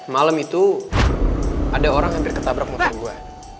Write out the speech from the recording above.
malem itu ada orang yang diketabrak motor gue